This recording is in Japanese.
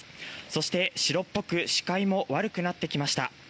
そして、白っぽく視界も悪くなってきました。